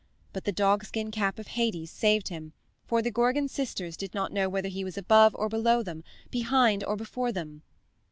But the dogskin cap of Hades saved him, for the Gorgon sisters did not know whether he was above or below them, behind or before them.